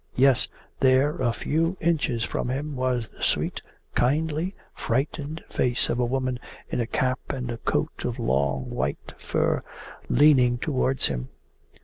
Yes, there, a few inches from him, was the sweet, kindly frightened face of a woman in a cap and a coat of long white fur, leaning towards him.